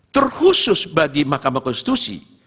terkhusus bagi mahkamah konstitusi